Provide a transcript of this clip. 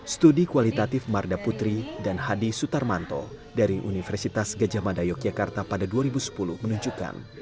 studi kualitatif marda putri dan hadi sutarmanto dari universitas gajah mada yogyakarta pada dua ribu sepuluh menunjukkan